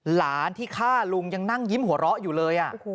หลานที่ฆ่าลุงยังนั่งยิ้มหัวเราะอยู่เลย